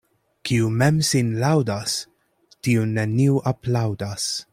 Kiu mem sin laŭdas, tiun neniu aplaŭdas.